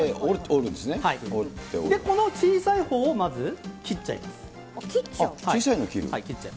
この小さいほうをまず切っち切っちゃう？